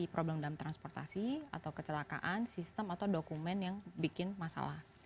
problem dalam transportasi atau kecelakaan sistem atau dokumen yang bikin masalah